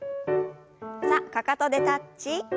さあかかとでタッチ。